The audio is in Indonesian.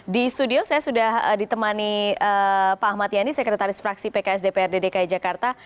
di studio saya sudah ditemani pak ahmad yani sekretaris fraksi pks dprd dki jakarta